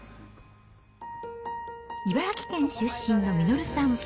茨城県出身の実さん。